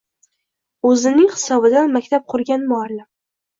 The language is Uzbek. O‘zining hisobidan maktab qurgan muallim